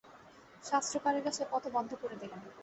শাস্ত্রকারেরা সে পথও বন্ধ করে দিলেন।